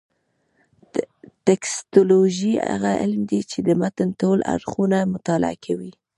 ټکسټولوجي هغه علم دﺉ، چي د متن ټول اړخونه مطالعه کوي.